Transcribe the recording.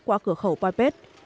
qua cửa khẩu pai pet